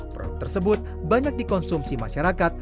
produk tersebut banyak dikonsumsi masyarakat